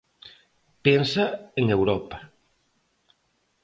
Pensa en Europa.